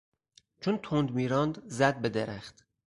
چون تند میراند زد به درخت.